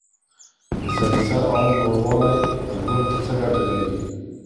د سړي سر عايد لوړوالی په ژوند کي څه ګټې لري؟